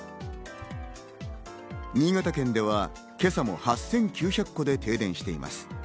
新潟県では今朝も８９００戸で停電しています。